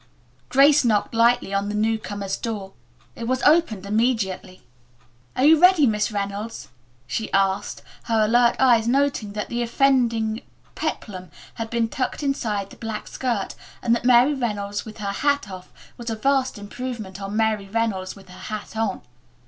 Grace knocked lightly on the newcomer's door. It was opened immediately. "Are you ready, Miss Reynolds?" she asked, her alert eyes noting that the offending peplum had been tucked inside the black skirt, and that Mary Reynolds with her hat off was a vast improvement on Mary Reynolds with her hat on.